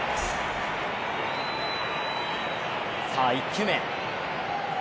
さあ１球目。